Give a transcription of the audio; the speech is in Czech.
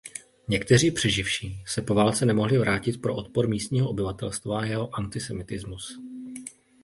Někteří přeživší se po válce nemohli vrátit pro odpor místního obyvatelstva a jeho antisemitismus.